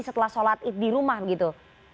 setelah sholat idul fitri di rumah begitu